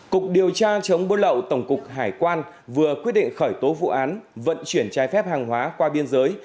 cục điều tra chống buôn lậu tổng cục hải quan vừa quyết định khởi tố vụ án vận chuyển trái phép hàng hóa qua biên giới